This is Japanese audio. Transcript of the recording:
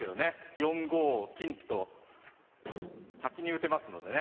４五金と先に打てますのでね